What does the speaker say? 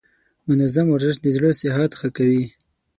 منظم ورزش د زړه صحت ښه کوي.